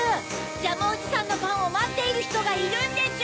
ジャムおじさんのパンをまっているひとがいるんでちゅ！